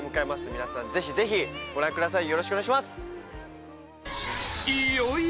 皆さん、ぜひぜひ御覧ください。